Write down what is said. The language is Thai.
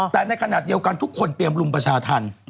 แต่ในขณะเดียวกันทุกคนเตรียมรุมประชาธรรม